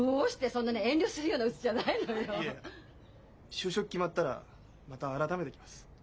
就職決まったらまた改めて来ます。